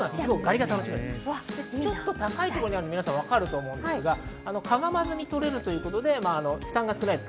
ちょっと高いところにあるの分かると思うんですが、かがまずに取れるということで負担が少ないです。